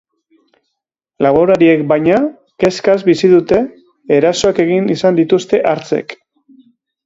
Laborariek, baina, kezkaz bizi dute, erasoak egin izan dituzte hartzek.